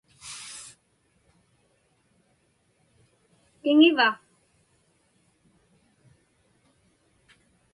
Tiŋiva?